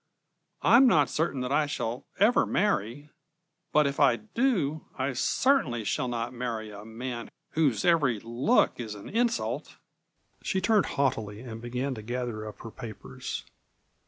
I am not certain that I shall ever marry, but if I do, I certainly shall not marry a man whose every look is an insult." She turned haughtily and began to gather up her papers.